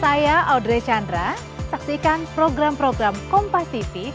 saya audrey chandra saksikan program program kompativity